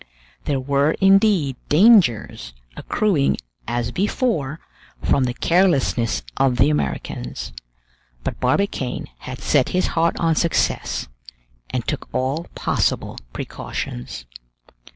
There were indeed dangers accruing as before from the carelessness of the Americans, but Barbicane had set his heart on success, and took all possible precautions.